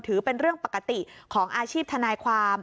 ถือเป็นเรื่องปกติของอาชีพทนายความ